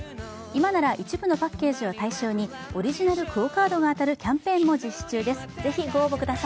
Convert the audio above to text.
今なら一部のパッケージを対象にオリジナルＱＵＯカードが当たるキャンペーンも実施中です。